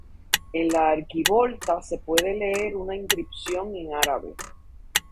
En la arquivolta se puede leer una inscripción en árabe.